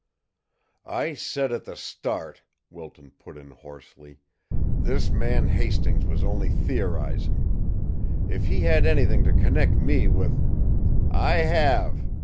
"I said at the start," Wilton put in hoarsely, "this man Hastings was only theorizing. If he had anything to connect me with " "I have!"